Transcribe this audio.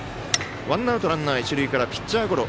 ワンアウト、ランナー一塁からピッチャーゴロ。